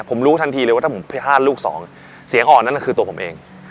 ผมรู้ทันทีเลยว่าถ้าผมไปห้ามลูกสองเสียงอ่อนนั่นคือตัวผมเอง